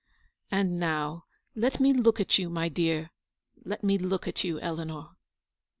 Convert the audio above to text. "And now let me look at you, my dear; let me look at you, Eleanor."